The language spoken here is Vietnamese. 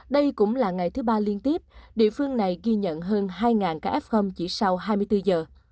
đây cũng là ngày thứ ba liên tiếp địa phương này ghi nhận hơn hai ca f chỉ sau hai mươi bốn giờ